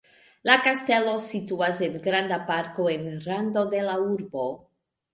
La kastelo situas en granda parko en rando de la urbo.